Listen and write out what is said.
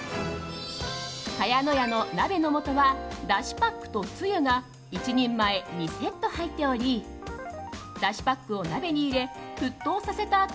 茅乃舎の鍋の素はだしパックとつゆが１人前２セット入っておりだしパックを鍋に入れ沸騰させた